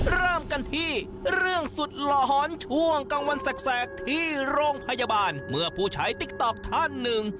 เริ่มกันที่เรื่องสุดหลอนช่วงกลางวันแสกที่โรงพยาบาลเมื่อผู้ใช้ติ๊กต๊อกท่านหนึ่ง